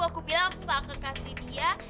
aku bilang aku gak akan kasih dia